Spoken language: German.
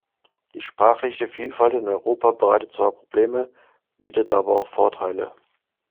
Die sprachliche Vielfalt in Europa bereitet zwar Probleme, bietet aber auch Vorteile.